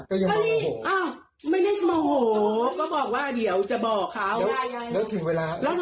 แต่ยังไม่เอาของ